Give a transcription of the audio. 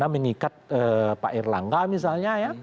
mengikat pak erlangga misalnya ya